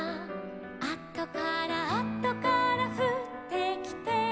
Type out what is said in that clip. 「あとからあとからふってきて」